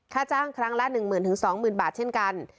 ค่าจ้างครั้งละ๑๐๐๐๒๐๐๐บาทเช่นกัน